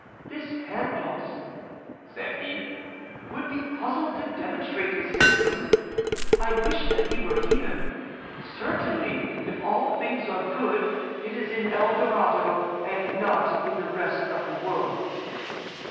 "This Pangloss," said he, "would be puzzled to demonstrate his system. I wish that he were here. Certainly, if all things are good, it is in El Dorado and not in the rest of the world."